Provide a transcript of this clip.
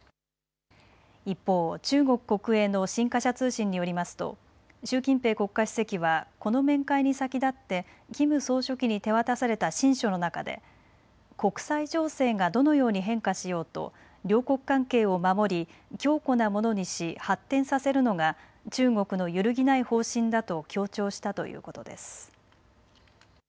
一方、中国国営の新華社通信によりますと習近平国家主席はこの面会に先立ってキム総書記に手渡された親書の中で国際情勢がどのように変化しようと両国関係を守り強固なものにし、発展させるのが中国の揺るぎない方針だと強調したということです。